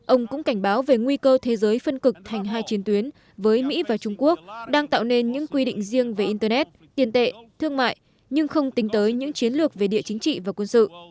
ông cũng cảnh báo về nguy cơ thế giới phân cực thành hai chiến tuyến với mỹ và trung quốc đang tạo nên những quy định riêng về internet tiền tệ thương mại nhưng không tính tới những chiến lược về địa chính trị và quân sự